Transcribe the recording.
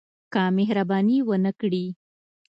که مهرباني ونه کړي.